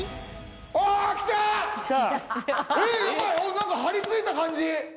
何か張り付いた感じ。